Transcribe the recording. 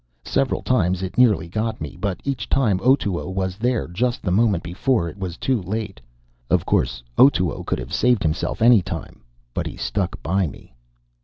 Several times it nearly got me, but each time Otoo was there just the moment before it was too late. Of course, Otoo could have saved himself any time. But he stuck by me.